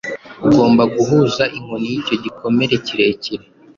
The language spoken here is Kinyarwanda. Ugomba guhuza inkoni yicyo gikomere kirekire